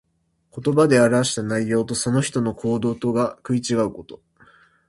言葉で表した内容と、その人の行動とが食い違うこと。